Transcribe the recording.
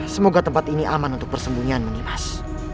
semoga tempat ini aman untuk persembunyian muni mas